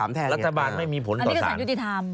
รัฐบาลไม่มีผลต่อสาร